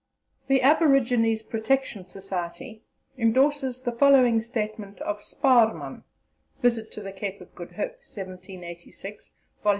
The Aborigines Protection Society endorses the following statement of Sparrman (visit to the Cape of Good Hope, 1786, Vol.